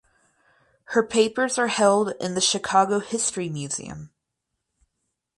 Her papers are held in the Chicago History Museum.